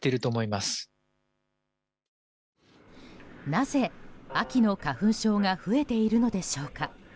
なぜ、秋の花粉症が増えているのでしょうか。